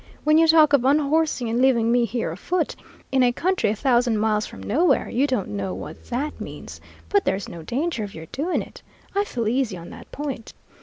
When you talk of unhorsing and leaving me here afoot in a country a thousand miles from nowhere, you don't know what that means, but there's no danger of your doing it. I feel easy on that point.